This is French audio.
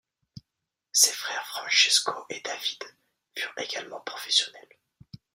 Ses frères Francesco et Davide furent également professionnels.